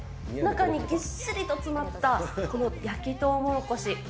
中にぎっしりと詰まったこの焼きとうもろこし。